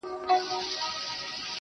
ته یې لور د شراب، زه مست زوی د بنګ یم